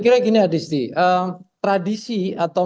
kira gini adisti tradisi atau